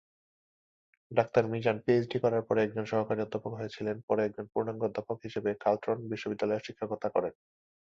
Doctor Mizan PhD করার পরে একজন সহকারী অধ্যাপক হয়েছিলেন, পরে একজন পূর্ণাঙ্গ অধ্যাপক হিসেবে কার্লটন বিশ্ববিদ্যালয়ে শিক্ষকতা করেন।